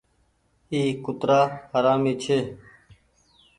اي ڪُترآ حرامي ڇي